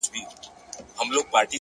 د حقیقت مینه عقل پیاوړی کوي!